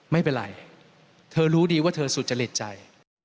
ไม่เป็นไรเธอรู้ดีว่าเธอสุจริตใจ